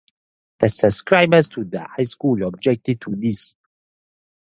The Subscribers to the High School objected to this.